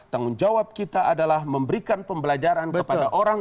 tanggung jawab kita adalah memberikan pembelajaran kepada orang